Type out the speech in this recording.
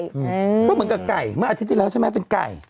เพราะเหมือนกับไก่เมื่ออาทิตย์ที่แล้วใช่ไหมเป็นไก่